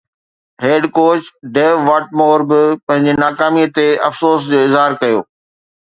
head coach Dav Whatmore به پنهنجي ناڪامي تي افسوس جو اظهار ڪيو